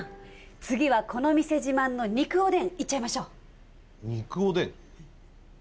次はこの店自慢の肉おでんいっちゃいましょう肉おでん？